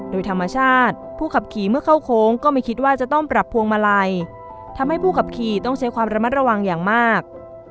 โดยธรรมชาติผู้ขับขี่เมื่อเข้าโค้งก็ไม่คิดว่าจะต้องปรับพวงมาลัยทำให้ผู้ขับขี่ต้องใช้ความระมัดระวังอย่างมาก